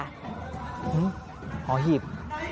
หือหอหีบ